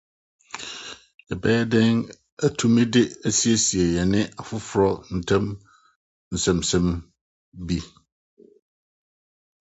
yɛbɛyɛ dɛn atumi de asiesie yɛne afoforo ntam nsɛmnsɛm bi?